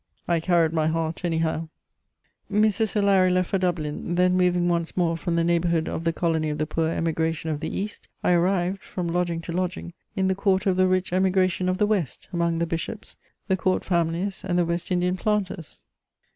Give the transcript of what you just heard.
I carried my heart anyhow. Mrs. O'Larry left for Dublin; then, moving once more from the neighbourhood of the colony of the poor Emigration of the east, I arrived, from lodging to lodging, in the quarter of the rich Emigration of the west, among the bishops, the Court families, and the West Indian planters.